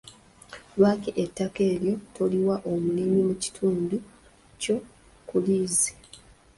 Lwaki ettaka eryo toliwa omulimi mu kitundu kyo ku liizi?